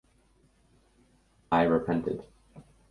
I repented.